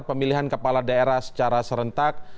pemilihan kepala daerah secara serentak